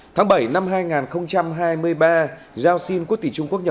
tháng bảy năm hai nghìn hai mươi ba giao xin quốc tỷ trung quốc nhập